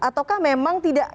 ataukah memang tidak